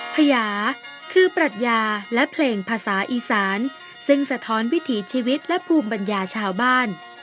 พญาคือปรัชญาและเพลงภาษาอีสานซึ่งสะท้อนวิถีชีวิตและภูมิปัญญาชาวบ้าน